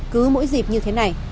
cứ mỗi dịp như thế này